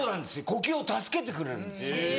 呼吸を助けてくれるんです。